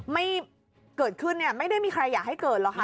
ไม่เกิดขึ้นเนี่ยไม่ได้มีใครอยากให้เกิดหรอกค่ะ